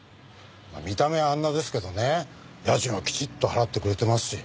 まあ見た目はあんなですけどね家賃はきちっと払ってくれてますし。